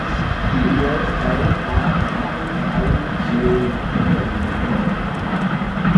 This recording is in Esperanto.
Tio daŭras ankaŭ nuntempe.